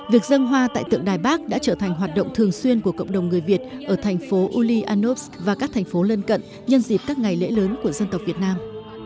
việc dân hoa tại tượng đài bắc đã trở thành hoạt động thường xuyên của cộng đồng người việt ở thành phố ulyanovs và các thành phố lân cận nhân dịp các ngày lễ lớn của dân tộc việt nam